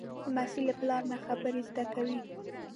لمسی له پلار نه خبرې زده کوي.